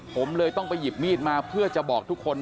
ผมเลยต้องไปหยิบมีดมาเพื่อจะบอกทุกคน